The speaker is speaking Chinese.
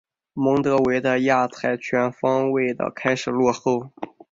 蒙得维的亚才全方位的开始落后。